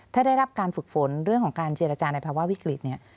ถ้าได้รับการฝึกฝนเรื่องของการเจรจาในภาวะวิกฤตเนี่ย